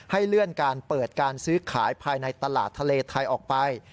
เลื่อนการเปิดการซื้อขายภายในตลาดทะเลไทยออกไป